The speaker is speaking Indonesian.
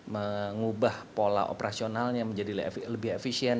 mengubah pola operasionalnya menjadi lebih efisien